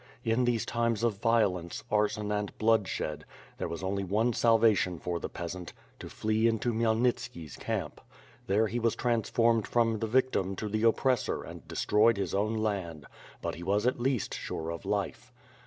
In these times of violence, arson and bloodshed, there was only one salvation for the peasant; to flee into Khmyelnitski's camp. There he was transformed from the victim to the oppressor and destroyed his own land, but he was at least sure of his life.